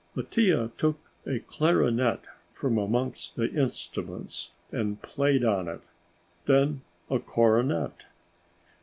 Mattia took a clarionette from amongst the instruments and played on it; then a cornet.